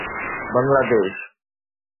Bangla Desh